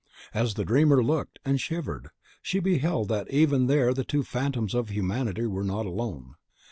As the dreamer looked, and shivered, she beheld that even there the two phantoms of humanity were not alone.